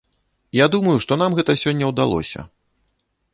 Я думаю, што нам гэта сёння ўдалося.